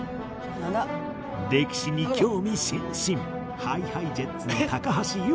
歴史に興味津々 ＨｉＨｉＪｅｔｓ の橋優